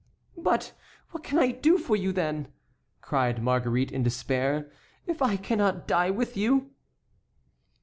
"But what can I do for you, then," cried Marguerite, in despair, "if I cannot die with you?"